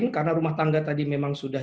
karena rumah tangga tadi memang sudah